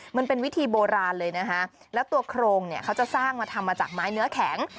มันเป็นวิธีโบราณเลยนะคะแล้วตัวโครงเนี่ยเขาจะสร้างมาทำมาจากไม้เนื้อแข็ง